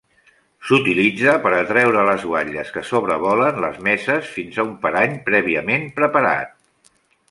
S'utilitza per atreure les guatlles que sobrevolen les messes fins a un parany prèviament preparat.